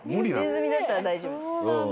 ネズミだったら大丈夫。